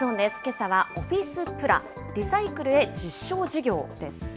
けさはオフィスプラリサイクルへ実証事業です。